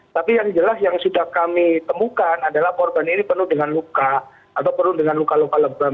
tapi yang jelas yang sudah kami temukan adalah korban ini penuh dengan luka atau penuh dengan luka luka lebam